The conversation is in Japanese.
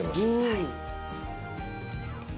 はい。